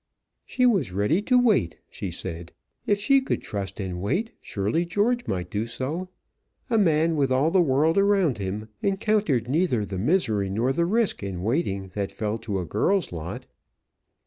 "She was ready to wait," she said. "If she could trust and wait, surely George might do so. A man, with all the world around him, encountered neither the misery nor the risk in waiting that fell to a girl's lot."